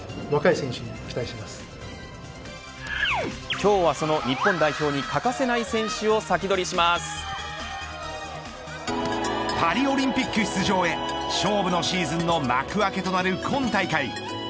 今日は、その日本代表に欠かせない選手をパリオリンピック出場へ勝負のシーズンの幕開けとなる今大会。